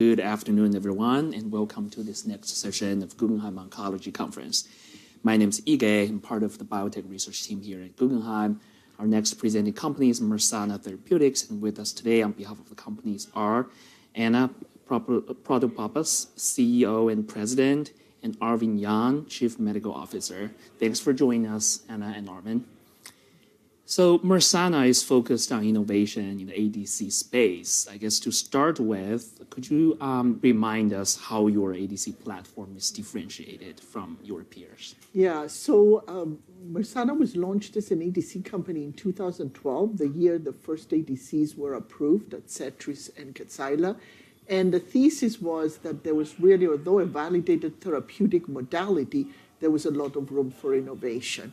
Good afternoon, everyone, and welcome to this next session of Guggenheim Oncology Conference. My name is Yige. I'm part of the biotech research team here at Guggenheim. Our next presenting company is Mersana Therapeutics, and with us today on behalf of the companies are Anna Protopapas, CEO and President, and Arvin Yang, Chief Medical Officer. Thanks for joining us, Anna and Arvin. Mersana is focused on innovation in the ADC space. I guess to start with, could you remind us how your ADC platform is differentiated from your peers? Yeah. Mersana was launched as an ADC company in 2012, the year the first ADCs were approved at Adcetris and Kadcyla, the thesis was that there was really, although a validated therapeutic modality, there was a lot of room for innovation.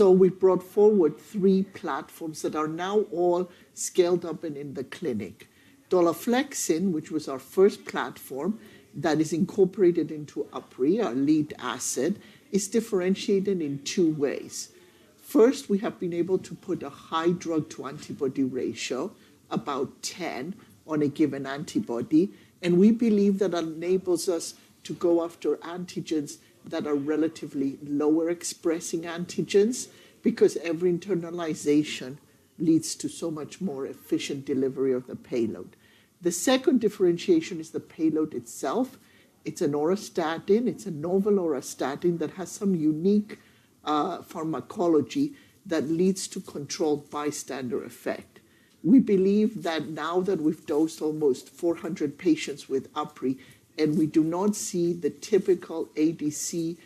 We brought forward three platforms that are now all scaled up and in the clinic. Dolaflexin, which was our first platform that is incorporated into UpRi, our lead asset, is differentiated in two ways. First, we have been able to put a high drug-to-antibody ratio, about 10, on a given antibody, we believe that enables us to go after antigens that are relatively lower expressing antigens because every internalization leads to so much more efficient delivery of the payload. The second differentiation is the payload itself. It's an auristatin. It's a novel auristatin that has some unique pharmacology that leads to controlled bystander effect. We believe that now that we've dosed almost 400 patients with UpRi, and we do not see the typical ADC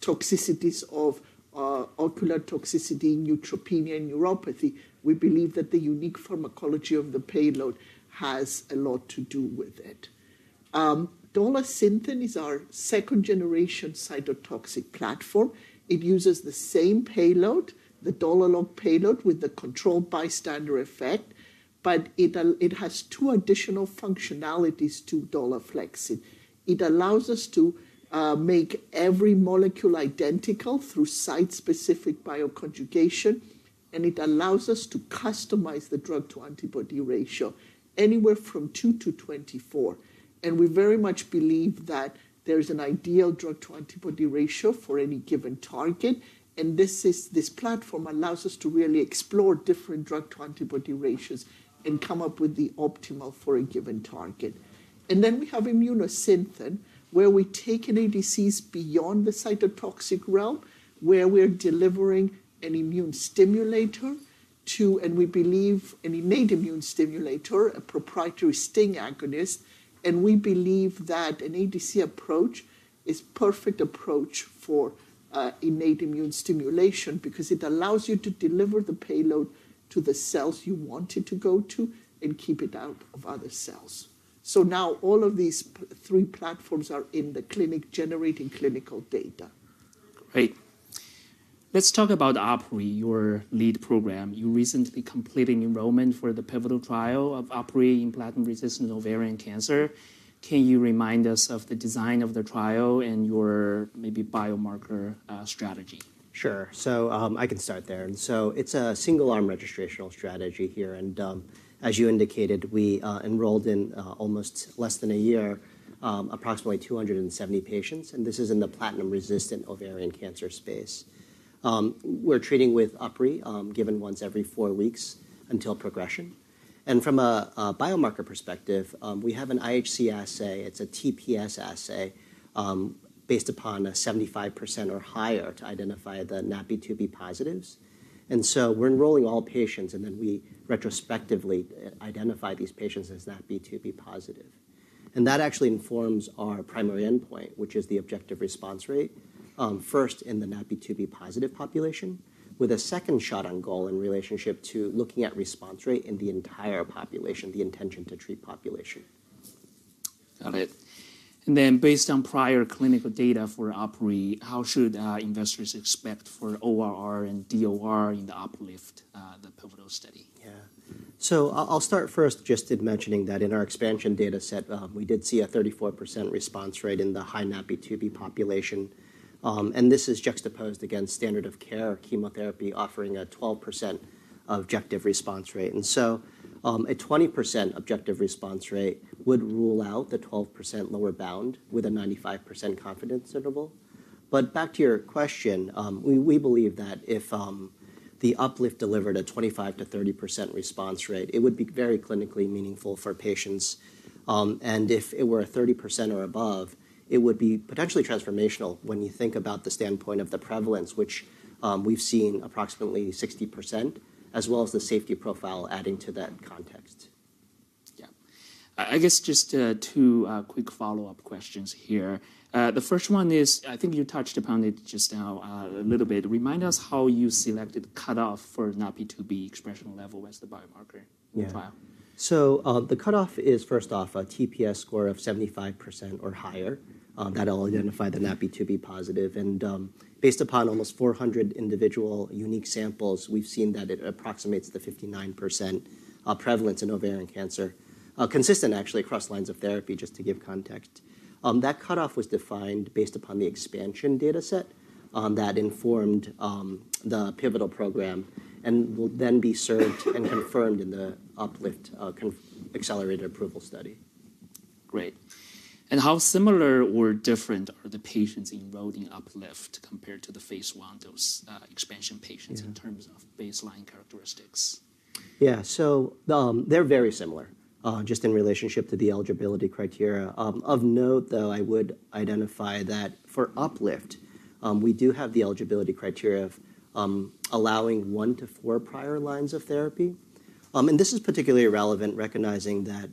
toxicities of ocular toxicity, neutropenia, and neuropathy, we believe that the unique pharmacology of the payload has a lot to do with it. Dolasynthen is our second-generation cytotoxic platform. It uses the same payload, the DolaLock payload, with the controlled bystander effect, but it has two additional functionalities to Dolaflexin. It allows us to make every molecule identical through site-specific bioconjugation, and it allows us to customize the drug-to-antibody ratio anywhere from 2 to 24. We very much believe that there is an ideal drug-to-antibody ratio for any given target, and this platform allows us to really explore different drug-to-antibody ratios and come up with the optimal for a given target. We have Immunosynthen, where we take an ADCs beyond the cytotoxic realm, where we're delivering an immune stimulator and we believe an innate immune stimulator, a proprietary STING agonist, and we believe that an ADC approach is perfect approach for innate immune stimulation because it allows you to deliver the payload to the cells you want it to go to and keep it out of other cells. Now all of these Phase III platforms are in the clinic generating clinical data. Great. Let's talk about UpRi, your lead program. You recently completed enrollment for the pivotal trial of UpRi in platinum-resistant ovarian cancer. Can you remind us of the design of the trial and your maybe biomarker strategy? Sure. I can start there. It's a single arm registrational strategy here. As you indicated, we enrolled in almost less than a year, approximately 270 patients, and this is in the platinum-resistant ovarian cancer space. We're treating with UpRi, given once every four weeks until progression. From a biomarker perspective, we have an IHC assay, it's a TPS assay, based upon a 75% or higher to identify the NaPi2b positives. We're enrolling all patients, and then we retrospectively identify these patients as NaPi2b positive. That actually informs our primary endpoint, which is the objective response rate, first in the NaPi2b positive population, with a second shot on goal in relationship to looking at response rate in the entire population, the intention to treat population. Got it. Based on prior clinical data for UpRi, how should investors expect for ORR and DOR in the UPLIFT, the pivotal study? I'll start first just in mentioning that in our expansion dataset, we did see a 34% response rate in the high NaPi2b population. This is juxtaposed against standard of care chemotherapy offering a 12% objective response rate. A 20% objective response rate would rule out the 12% lower bound with a 95% confidence interval. Back to your question, we believe that if the UPLIFT delivered a 25%-30% response rate, it would be very clinically meaningful for patients. If it were a 30% or above, it would be potentially transformational when you think about the standpoint of the prevalence, which we've seen approximately 60%, as well as the safety profile adding to that context. Yeah. I guess just two quick follow-up questions here. The first one is, I think you touched upon it just now, a little bit. Remind us how you selected cutoff for NaPi2b expression level as the biomarker- Yeah in the trial. The cutoff is first off a TPS score of 75% or higher, that'll identify the NaPi2b positive. Based upon almost 400 individual unique samples, we've seen that it approximates the 59% prevalence in ovarian cancer, consistent actually across lines of therapy just to give context. That cutoff was defined based upon the expansion dataset. That informed the pivotal program and will then be served and confirmed in the UPLIFT accelerated approval study. Great. How similar or different are the patients enrolled in UPLIFT compared to the Phase I dose expansion patients? Yeah. in terms of baseline characteristics? Yeah. They're very similar, just in relationship to the eligibility criteria. Of note, though, I would identify that for UPLIFT, we do have the eligibility criteria of allowing one to four prior lines of therapy. This is particularly relevant recognizing that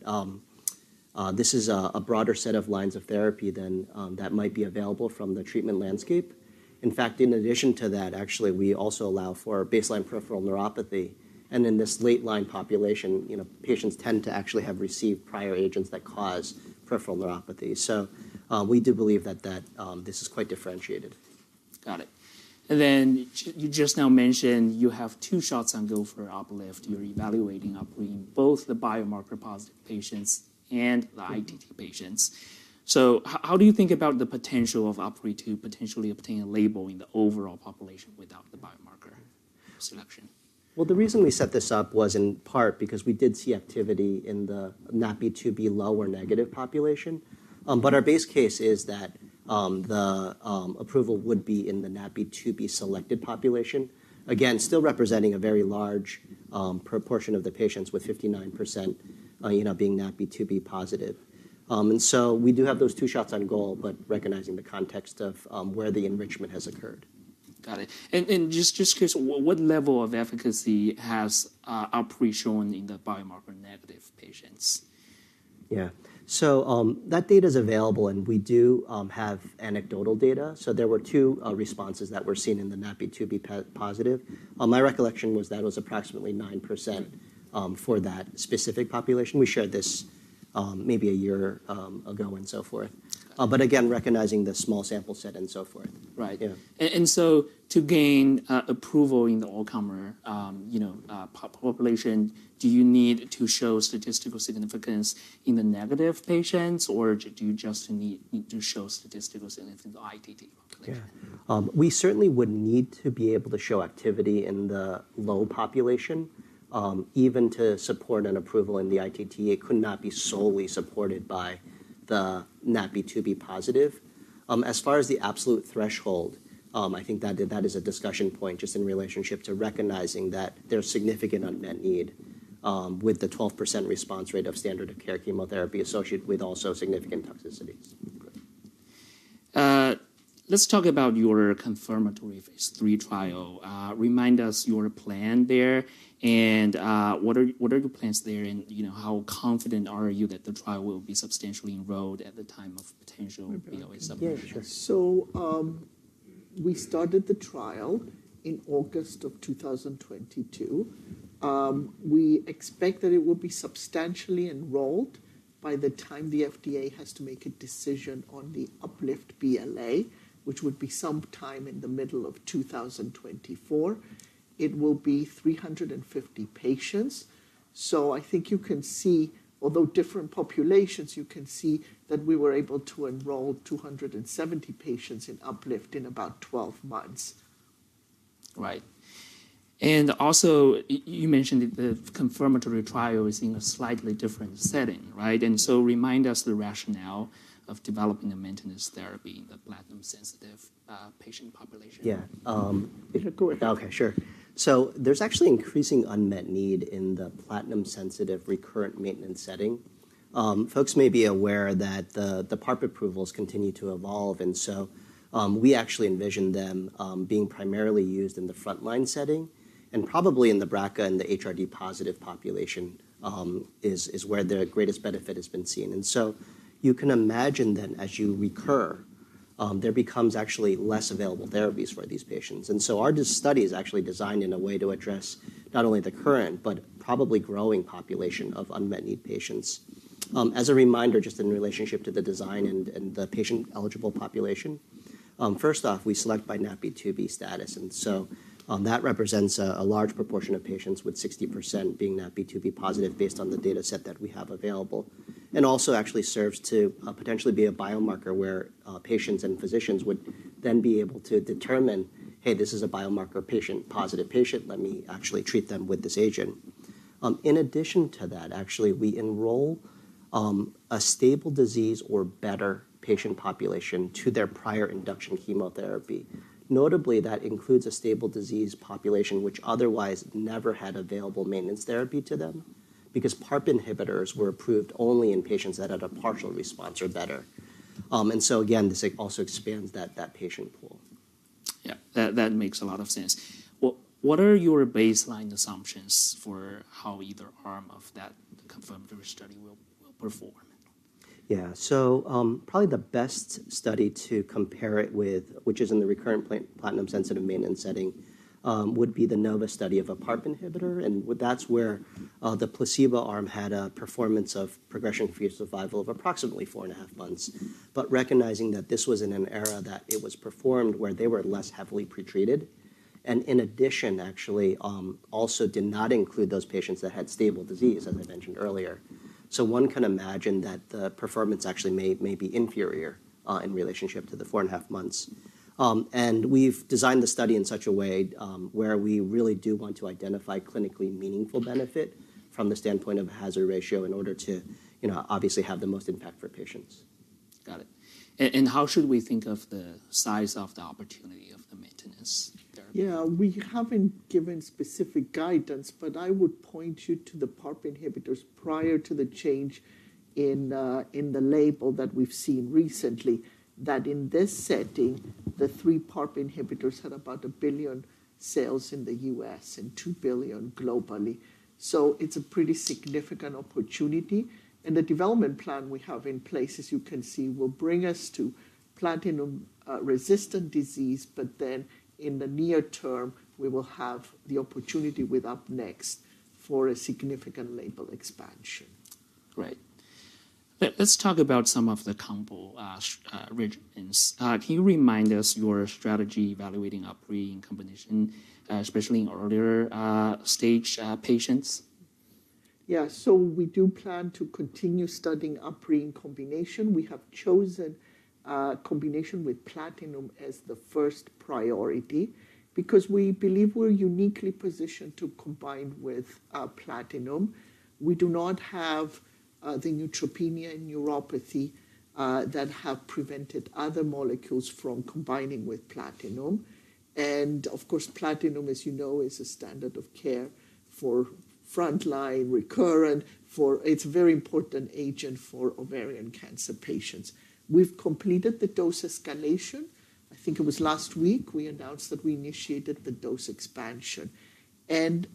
this is a broader set of lines of therapy than that might be available from the treatment landscape. In fact, in addition to that, actually, we also allow for baseline peripheral neuropathy. In this late-line population, you know, patients tend to actually have received prior agents that cause peripheral neuropathy. We do believe that this is quite differentiated. Got it. You just now mentioned you have two shots on goal for UPLIFT. You're evaluating UPLIFT in both the biomarker positive patients and the ITT patients. how do you think about the potential of UPLIFT to potentially obtain a label in the overall population without the biomarker selection? The reason we set this up was in part because we did see activity in the NaPi2b low or negative population. Our base case is that the approval would be in the NaPi2b selected population. Still representing a very large proportion of the patients with 59%, you know, being NaPi2b positive. We do have those two shots on goal, but recognizing the context of where the enrichment has occurred. Got it. Just curious, what level of efficacy has UPLIFT shown in the biomarker negative patients? That data's available, and we do have anecdotal data. There were two responses that were seen in the NaPi2b positive. My recollection was that it was approximately 9% for that specific population. We shared this maybe a year ago and so forth. Again, recognizing the small sample set and so forth. Right. Yeah. To gain approval in the all-comer, you know, population, do you need to show statistical significance in the negative patients or do you just need to show statistical significance in the ITT population? Yeah. We certainly would need to be able to show activity in the low population, even to support an approval in the ITT. It could not be solely supported by the NaPi2b positive. As far as the absolute threshold, I think that is a discussion point just in relationship to recognizing that there's significant unmet need, with the 12% response rate of standard of care chemotherapy associated with also significant toxicities. Great. let's talk about your confirmatory Phase III trial. remind us your plan there and, what are the plans there and, you know, how confident are you that the trial will be substantially enrolled at the time of potential BLA submission? We started the trial in August of 2022. We expect that it will be substantially enrolled by the time the FDA has to make a decision on the UPLIFT BLA, which would be sometime in the middle of 2024. It will be 350 patients. I think you can see, although different populations, you can see that we were able to enroll 270 patients in UPLIFT in about 12 months. Right. Also you mentioned the confirmatory trial is in a slightly different setting, right? Remind us the rationale of developing a maintenance therapy in the platinum-sensitive patient population. Yeah. Yeah, go ahead. Okay. Sure. There's actually increasing unmet need in the platinum-sensitive recurrent maintenance setting. Folks may be aware that the PARP approvals continue to evolve, we actually envision them being primarily used in the frontline setting and probably in the BRCA and the HRD positive population is where the greatest benefit has been seen. You can imagine then as you recur, there becomes actually less available therapies for these patients. Our study is actually designed in a way to address not only the current but probably growing population of unmet need patients. As a reminder, just in relationship to the design and the patient-eligible population, first off, we select by NaPi2b status. That represents a large proportion of patients, with 60% being NaPi2b positive based on the dataset that we have available, and also actually serves to potentially be a biomarker where patients and physicians would then be able to determine, "Hey, this is a biomarker patient, positive patient. Let me actually treat them with this agent." In addition to that, actually, we enroll a stable disease or better patient population to their prior induction chemotherapy. Notably, that includes a stable disease population which otherwise never had available maintenance therapy to them because PARP inhibitors were approved only in patients that had a partial response or better. Again, this also expands that patient pool. Yeah. That makes a lot of sense. What are your baseline assumptions for how either arm of that confirmatory study will perform? Probably the best study to compare it with, which is in the recurrent platinum-sensitive maintenance setting, would be the NOVA study of a PARP inhibitor. That's where the placebo arm had a performance of progression-free survival of approximately four and a half months. Recognizing that this was in an era that it was performed where they were less heavily pretreated. In addition, actually, also did not include those patients that had stable disease, as I mentioned earlier. One can imagine that the performance actually may be inferior in relationship to the four and a half months. We've designed the study in such a way where we really do want to identify clinically meaningful benefit from the standpoint of hazard ratio in order to obviously have the most impact for patients. Got it. How should we think of the size of the opportunity of the maintenance therapy? We haven't given specific guidance, but I would point you to the three PARP inhibitors prior to the change in the label that we've seen recently, that in this setting, the three PARP inhibitors had about $1 billion sales in the US and $2 billion globally. It's a pretty significant opportunity. The development plan we have in place, as you can see, will bring us to platinum-resistant disease, but then in the near term, we will have the opportunity with UP-NEXT for a significant label expansion. Great. Let's talk about some of the combo regimens. Can you remind us your strategy evaluating UpRi in combination, especially in earlier stage patients? We do plan to continue studying UpRi in combination. We have chosen combination with platinum as the first priority because we believe we're uniquely positioned to combine with platinum. We do not have the neutropenia and neuropathy that have prevented other molecules from combining with platinum. Of course, platinum, as you know, is a standard of care for frontline recurrent. It's a very important agent for ovarian cancer patients. We've completed the dose escalation. I think it was last week we announced that we initiated the dose expansion. In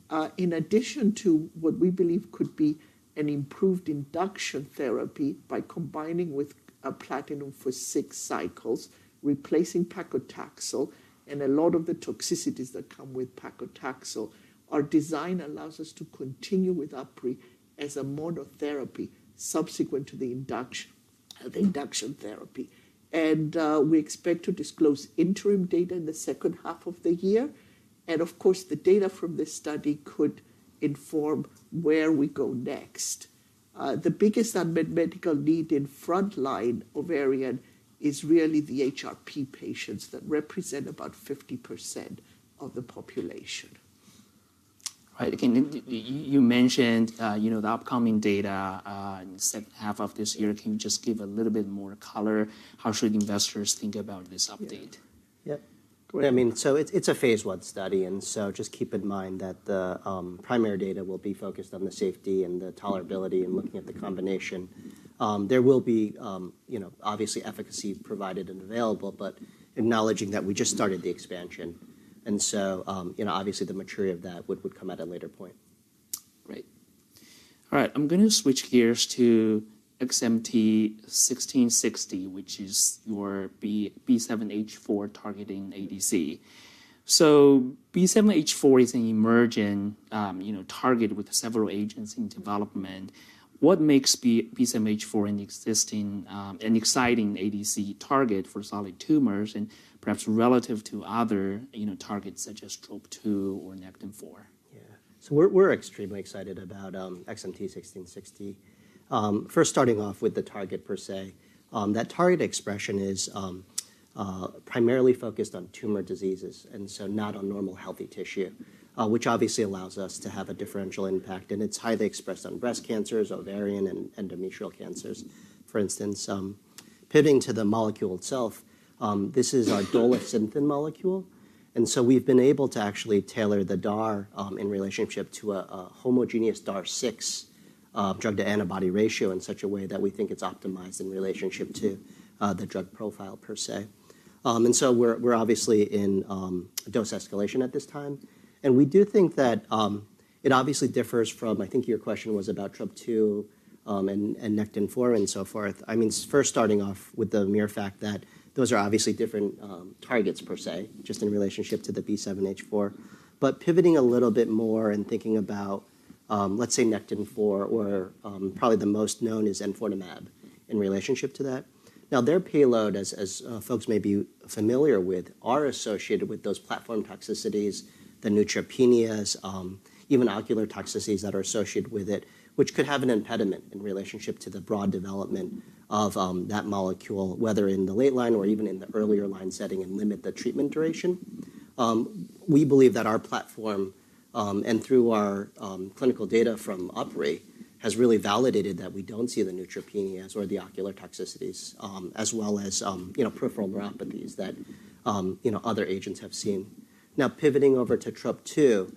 addition to what we believe could be an improved induction therapy by combining with a platinum for six cycles, replacing paclitaxel and a lot of the toxicities that come with paclitaxel, our design allows us to continue with UpRi as a monotherapy subsequent to the induction, the induction therapy. We expect to disclose interim data in the second half of the year. Of course, the data from this study could inform where we go next. The biggest unmet medical need in frontline ovarian is really the HRP patients that represent about 50% of the population. Right. You mentioned, you know, the upcoming data in the second half of this year. Can you just give a little bit more color? How should investors think about this update? Yeah. Great. I mean, so it's a Phase II study, just keep in mind that the primary data will be focused on the safety and the tolerability in looking at the combination. There will be, you know, obviously efficacy provided and available, but acknowledging that we just started the expansion. Obviously the maturity of that would come at a later point. Great. All right. I'm gonna switch gears to XMT-1660, which is your B7H4 targeting ADC. B7H4 is an emerging, you know, target with several agents in development. What makes B7H4 an exciting ADC target for solid tumors and perhaps relative to other, you know, targets such as Trop-2 or Nectin-4? We're extremely excited about XMT-1660. First starting off with the target per se, that target expression is primarily focused on tumor diseases, and so not on normal healthy tissue, which obviously allows us to have a differential impact, and it's highly expressed on breast cancers, ovarian, and endometrial cancers, for instance. Pivoting to the molecule itself, this is our dolasynthen molecule, we've been able to actually tailor the DAR in relationship to a homogeneous DAR six drug-to-antibody ratio in such a way that we think it's optimized in relationship to the drug profile per se. We're obviously in dose escalation at this time. We do think that it obviously differs from, I think your question was about Trop-2, and Nectin-4 and so forth. I mean, first starting off with the mere fact that those are obviously different targets per se, just in relationship to the B7H4. Pivoting a little bit more and thinking about, let's say Nectin-4 or, probably the most known is Enfortumab in relationship to that. Now, their payload, as folks may be familiar with, are associated with those platform toxicities, the neutropenias, even ocular toxicities that are associated with it, which could have an impediment in relationship to the broad development of that molecule, whether in the late line or even in the earlier line setting and limit the treatment duration. We believe that our platform, and through our clinical data from UpRi, has really validated that we don't see the neutropenias or the ocular toxicities, as well as, you know, peripheral neuropathies that, you know, other agents have seen. Now, pivoting over to Trop-2,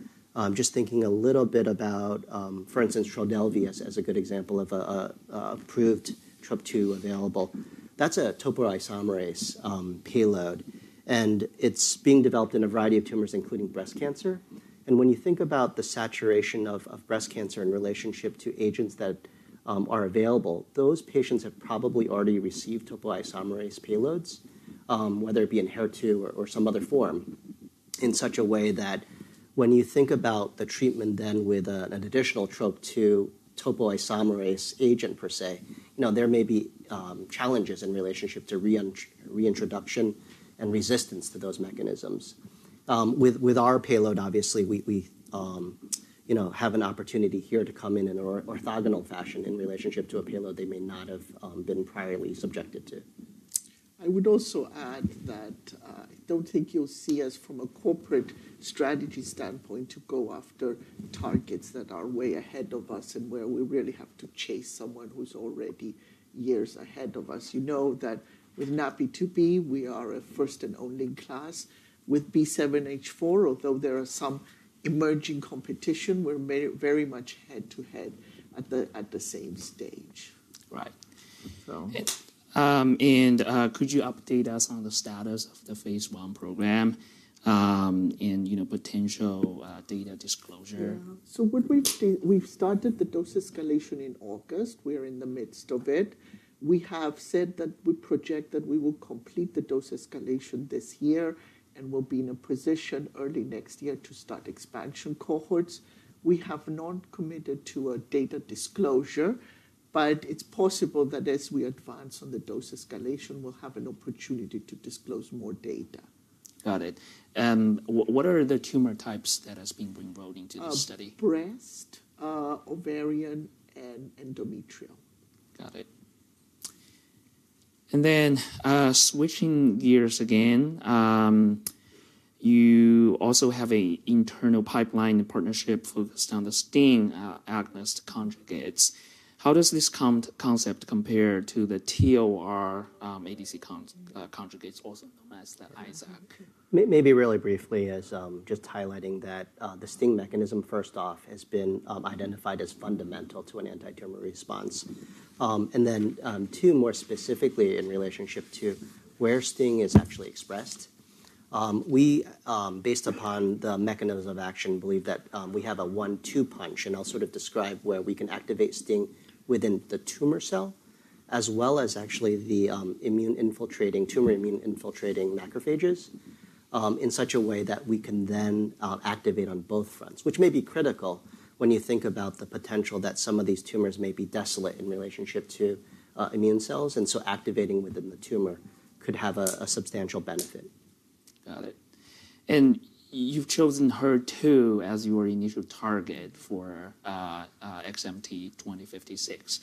just thinking a little bit about, for instance, Trodelvy as a good example of a approved Trop-2 available. That's a topoisomerase payload, and it's being developed in a variety of tumors, including breast cancer. When you think about the saturation of breast cancer in relationship to agents that are available, those patients have probably already received topoisomerase payloads, whether it be in HER2 or some other form, in such a way that When you think about the treatment with an additional Trop-2 topoisomerase agent per se, you know, there may be challenges in relationship to reintroduction and resistance to those mechanisms. With our payload, obviously, we, you know, have an opportunity here to come in an orthogonal fashion in relationship to a payload they may not have been priorly subjected to. I would also add that, I don't think you'll see us from a corporate strategy standpoint to go after targets that are way ahead of us and where we really have to chase someone who's already years ahead of us. You know that with NaPi2b, we are a first and only class. With B7-H4, although there are some emerging competition, we're very much head-to-head at the, at the same stage. Right. So... Could you update us on the status of the Phase I program, and, you know, potential data disclosure? Yeah. We've started the dose escalation in August. We're in the midst of it. We have said that we project that we will complete the dose escalation this year, and we'll be in a position early next year to start expansion cohorts. We have not committed to a data disclosure, but it's possible that as we advance on the dose escalation, we'll have an opportunity to disclose more data. Got it. What are the tumor types that has been enrolled into the study? Breast, ovarian, and endometrial. Got it. Then, switching gears again, you also have an internal pipeline partnership focused on the STING agonist conjugates. How does this concept compare to the immunostimulatory ADC conjugates, also known as the ISAC? Really briefly is, just highlighting that the STING mechanism, first off, has been identified as fundamental to an antitumor response. Two, more specifically in relationship to where STING is actually expressed, we, based upon the mechanism of action, believe that we have a one-two punch, and I'll sort of describe where we can activate STING within the tumor cell as well as actually the immune-infiltrating, tumor immune-infiltrating macrophages, in such a way that we can then activate on both fronts, which may be critical when you think about the potential that some of these tumors may be desolate in relationship to immune cells. Activating within the tumor could have a substantial benefit. Got it. You've chosen HER2 as your initial target for XMT-2056.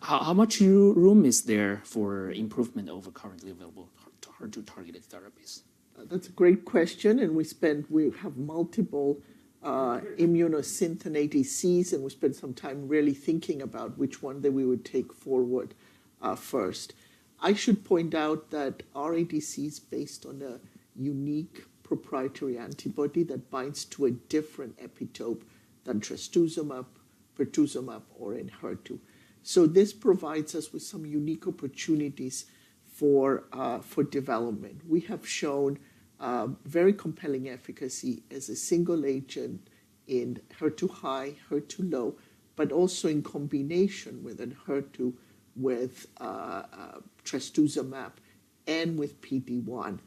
How much room is there for improvement over currently available HER2 targeted therapies? That's a great question. We have multiple Immunosynthen ADCs, and we spent some time really thinking about which one that we would take forward first. I should point out that our ADC is based on a unique proprietary antibody that binds to a different epitope than trastuzumab, pertuzumab or in HER2. This provides us with some unique opportunities for development. We have shown very compelling efficacy as a single agent in HER2 high, HER2 low, but also in combination with an HER2 with trastuzumab and with PD-1.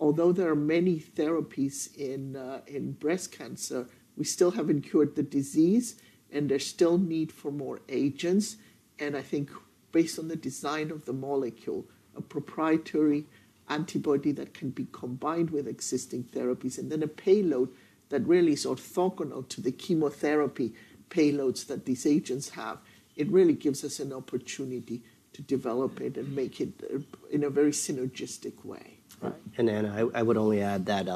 Although there are many therapies in breast cancer, we still haven't cured the disease, and there's still need for more agents. I think based on the design of the molecule, a proprietary antibody that can be combined with existing therapies, and then a payload that really is orthogonal to the chemotherapy payloads that these agents have, it really gives us an opportunity to develop it and make it in a very synergistic way. Right. Anna, I would only add that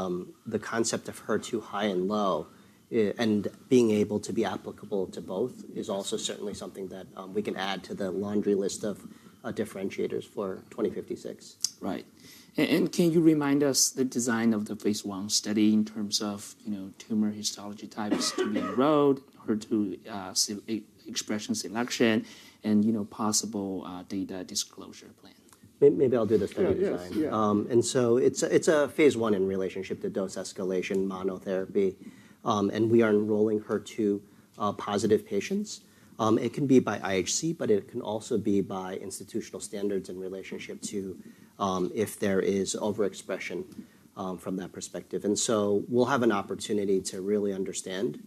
the concept of HER2 high and low being able to be applicable to both is also certainly something that we can add to the laundry list of differentiators for XMT-2056. Right. And can you remind us the design of the Phase I study in terms of, you know, tumor histology types to be enrolled, HER2 expression selection, and, you know, possible data disclosure plan? Maybe I'll do the study design. Yeah. Yes. Yeah. It's a Phase I in relationship to dose escalation monotherapy. We are enrolling HER2 positive patients. It can be by IHC, it can also be by institutional standards in relationship to if there is overexpression from that perspective. We'll have an opportunity to really understand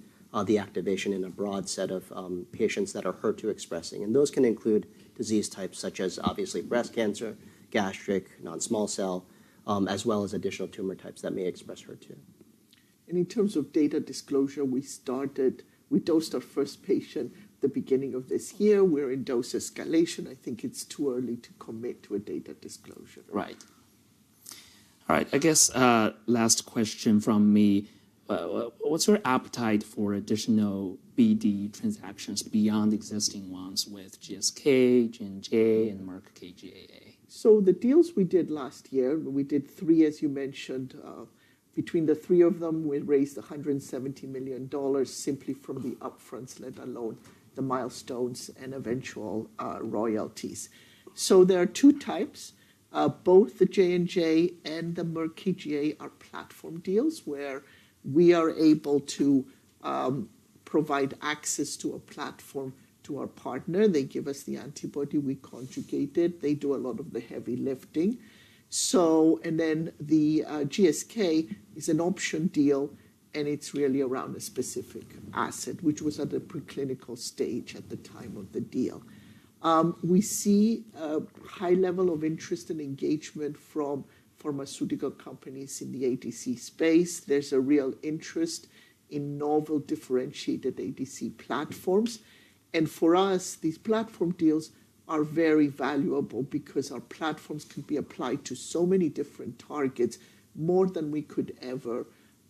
the activation in a broad set of patients that are HER2 expressing. Those can include disease types such as obviously breast cancer, gastric, non-small cell, as well as additional tumor types that may express HER2. In terms of data disclosure, We dosed our first patient the beginning of this year. We're in dose escalation. I think it's too early to commit to a data disclosure. Right. All right. I guess, last question from me. What's your appetite for additional BD transactions beyond existing ones with GSK, J&J, and Merck KGaA? The deals we did last year, we did three, as you mentioned. Between the three of them, we raised $170 million simply from the upfronts, let alone the milestones and eventual royalties. There are two types. Both the J&J and the Merck KGaA are platform deals where we are able to provide access to a platform to our partner. They give us the antibody, we conjugate it. They do a lot of the heavy lifting. The GSK is an option deal, and it's really around a specific asset, which was at the preclinical stage at the time of the deal. We see a high level of interest and engagement from pharmaceutical companies in the ADC space. There's a real interest in novel differentiated ADC platforms. For us, these platform deals are very valuable because our platforms can be applied to so many different targets, more than we could ever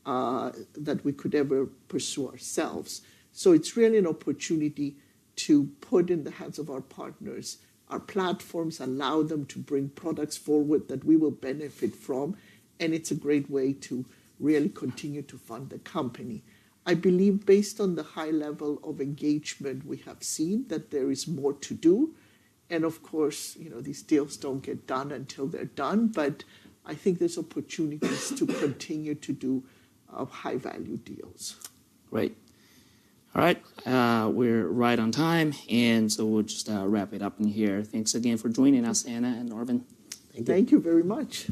that we could ever pursue ourselves. It's really an opportunity to put in the hands of our partners. Our platforms allow them to bring products forward that we will benefit from. It's a great way to really continue to fund the company. I believe based on the high level of engagement we have seen, that there is more to do. Of course, you know, these deals don't get done until they're done. I think there's opportunities to continue to do high-value deals. Great. All right. We're right on time, and so we'll just wrap it up in here. Thanks again for joining us, Anna and Arvin. Thank you. Thank you very much.